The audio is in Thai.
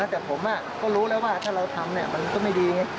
แต่ผมก็รู้แล้วว่าถ้าเราทำมันก็ไม่ดีไง